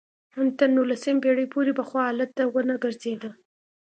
ان تر نولسمې پېړۍ پورې پخوا حالت ته ونه ګرځېده